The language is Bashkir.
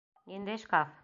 Ниндәй шкаф?